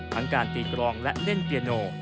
ทั้งตีกรองและเล่นเเบียโน